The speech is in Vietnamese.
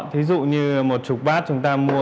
thí dụ như một chục bát chúng ta mua